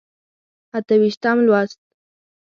اته ویشتم لوست.